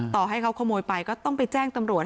ต่อให้เขาขโมยไปก็ต้องไปแจ้งตำรวจ